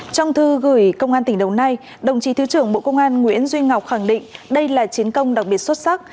trong thư gửi công an tỉnh đồng nai đồng chí thứ trưởng bộ công an nguyễn duy ngọc khẳng định đây là chiến công đặc biệt xuất sắc